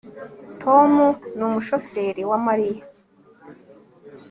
Tom ni umushoferi wa Mariya